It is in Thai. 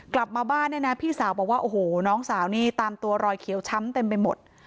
กลับมาบ้านพี่สาวบอกว่าน้องสาวนี่ตามตัวรอยเขียวช้ำเต็มไปหมด